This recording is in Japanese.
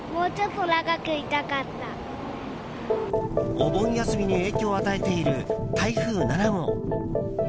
お盆休みに影響を与えている台風７号。